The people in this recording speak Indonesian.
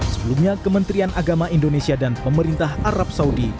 sebelumnya kementerian agama indonesia dan pemerintah arab saudi